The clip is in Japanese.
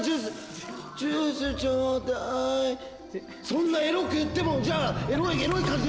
そんなエロく言ってもじゃあエロい。